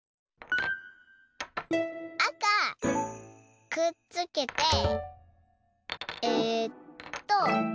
あかくっつけてえっと